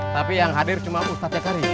tapi yang hadir cuma ustadznya karya